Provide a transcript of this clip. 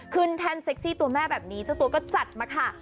แท่นเซ็กซี่ตัวแม่แบบนี้เจ้าตัวก็จัดมาค่ะ